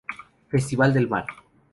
Festival del Mar.